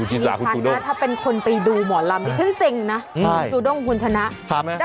พี่ชันนะถ้าเป็นคนไปดูหมอลำดีฉันซิ่งนะสูด้งคุณชนะทราบไหม